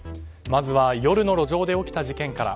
まずは夜の路上で起きた事件から。